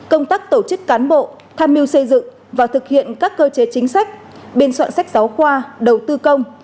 công tác tổ chức cán bộ tham mưu xây dựng và thực hiện các cơ chế chính sách biên soạn sách giáo khoa đầu tư công